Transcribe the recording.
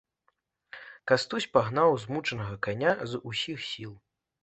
Кастусь пагнаў змучанага каня з усіх сіл.